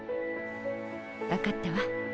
分かったわ。